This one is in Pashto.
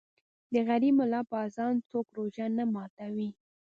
ـ د غریب ملا په اذان څوک روژه نه ماتوي.